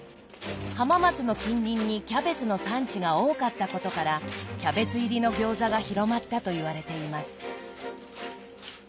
浜松の近隣にキャベツの産地が多かったことからキャベツ入りの餃子が広まったといわれています。